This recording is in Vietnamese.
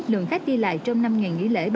lượng khách đi lại trong năm ngày nghỉ lễ